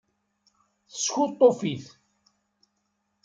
Teskuṭṭef-it.